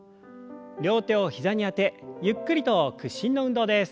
両手を膝にあてゆっくりと屈伸の運動です。